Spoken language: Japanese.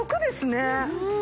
うん。